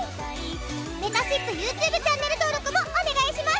めたしっぷＹｏｕＴｕｂｅチャンネル登録もお願いします！